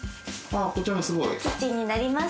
キッチンになります。